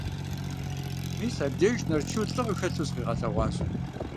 Мис абдеж Нарчу лӀыгъэ хэлъу зыкъигъэлъэгъуащ.